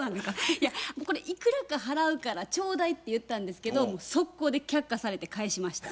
いやこれいくらか払うからちょうだいって言ったんですけど即行で却下されて返しました。